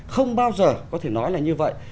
không bao giờ có thể nói là như vậy